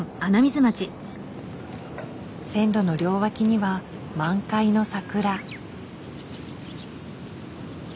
線路の両脇には満開の桜。